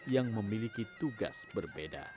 yang memiliki tugas berbeda